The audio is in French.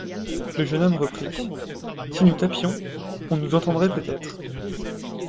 Le jeune homme reprit: — Si nous tapions, on nous entendrait peut-être.